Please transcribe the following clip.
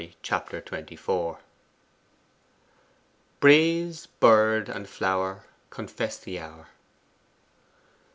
Chapter XXIV 'Breeze, bird, and flower confess the hour.